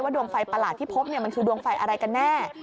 ดวงไฟประหลาดที่พบมันคือดวงไฟอะไรกันแน่